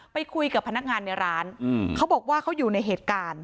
ไปคุยกับพนักงานในร้านเขาบอกว่าเขาอยู่ในเหตุการณ์